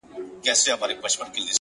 هره ورځ د ځان جوړونې فرصت دی